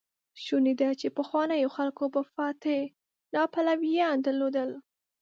شونې ده، چې پخوانيو خلکو به فاتح ناپليونان درلودل.